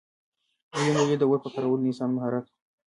دویم دلیل د اور په کارولو کې د انسان مهارت و.